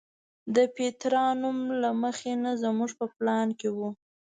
د پیترا نوم له مخکې نه زموږ په پلان کې و.